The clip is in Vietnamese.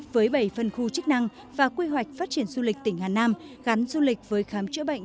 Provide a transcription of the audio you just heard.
với bảy phân khu chức năng và quy hoạch phát triển du lịch tỉnh hà nam gắn du lịch với khám chữa bệnh